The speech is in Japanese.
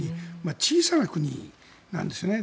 小さな国なんですよね。